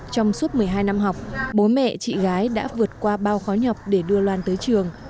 trong suốt một mươi hai năm học bố mẹ chị gái đã vượt qua bao khó nhọc để đưa loan tới trường